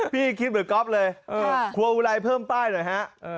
คิดเหมือนก๊อฟเลยครัวอุไรเพิ่มป้ายหน่อยฮะ